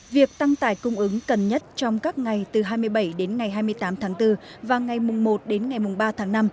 việc tăng tải cung ứng cần nhất trong các ngày từ hai mươi bảy đến ngày hai mươi tám tháng bốn và ngày mùng một đến ngày mùng ba tháng năm